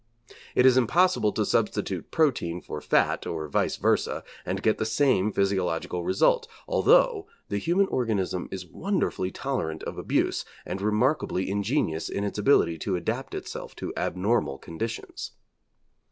It is impossible to substitute protein for fat, or vice versa, and get the same physiological result, although the human organism is wonderfully tolerant of abuse, and remarkably ingenious in its ability to adapt itself to abnormal conditions.